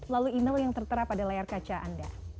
lalu email yang tertera pada layar kaca anda